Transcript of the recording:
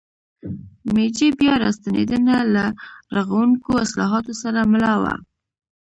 میجي بیا راستنېدنه له رغوونکو اصلاحاتو سره مله وه.